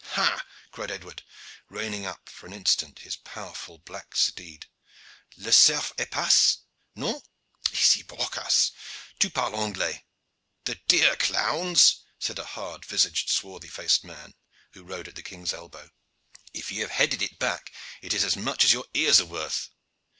"Ha!" cried Edward, reining up for an instant his powerful black steed. "Le cerf est passe? Non? Ici, Brocas; tu parles Anglais." "The deer, clowns?" said a hard visaged, swarthy faced man, who rode at the king's elbow. "If ye have headed it back it is as much as your ears are worth."